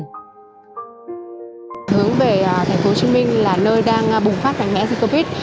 hướng về thành phố hồ chí minh là nơi đang bùng phát mạnh mẽ dịch covid